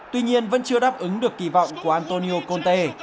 tuy nhiên vẫn chưa đáp ứng được kỳ vọng của antoine